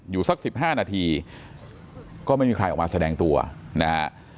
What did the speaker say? สัก๑๕นาทีก็ไม่มีใครออกมาแสดงตัวนะฮะ